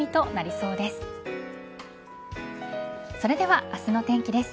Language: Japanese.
それでは明日の天気です。